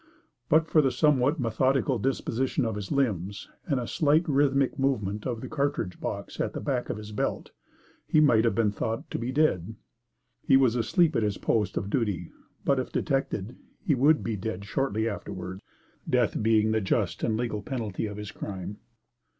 But for the somewhat methodical disposition of his limbs and a slight rhythmic movement of the cartridge box at the back of his belt, he might have been thought to be dead. He was asleep at his post of duty. But if detected he would be dead shortly afterward, that being the just and legal penalty of his crime.